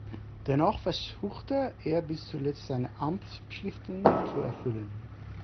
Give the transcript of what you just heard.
Dennoch versuchte er bis zuletzt seine Amtspflichten zu erfüllen.